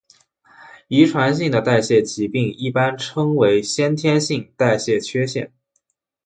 遗传性的代谢疾病一般称为先天性代谢缺陷。